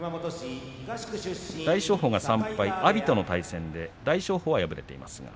大翔鵬が阿炎との対戦で大翔鵬は敗れています。